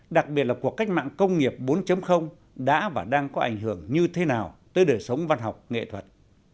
đặc biệt là cuộc cách mạng công nghiệp bốn đã và đang có ảnh hưởng như thế nào tới đời sống văn học nghệ thuật